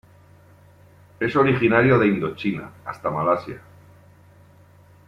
Es originario de Indochina hasta Malasia.